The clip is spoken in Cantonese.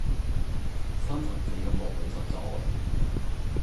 三層紙感覺好實在